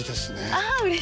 ああうれしい！